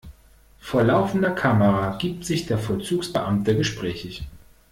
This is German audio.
Vor laufender Kamera gibt sich der Vollzugsbeamte gesprächig.